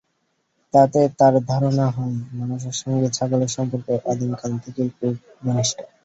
তাতে তাঁর ধারণা হয়, মানুষের সঙ্গে ছাগলের সম্পর্ক আদিমকাল থেকেই খুব ঘনিষ্ঠ।